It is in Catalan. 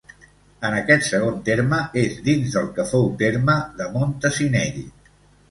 En aquest segon terme, és dins del que fou terme de Montanissell.